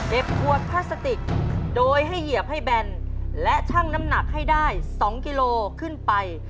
เก็บหัวพลาสติกโดยให้เหยียบให้แบนและช่างน้ำหนักให้ได้สองกิโลกรัมขึ้นไป